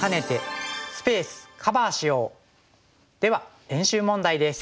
では練習問題です。